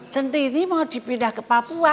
centini mau dipindah ke papua